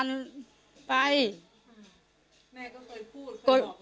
แม่ก็เคยพูด